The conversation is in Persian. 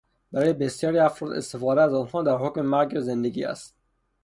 برای بسیاری افراد، استفاده از آنها در حکم مرگ یا زندگی است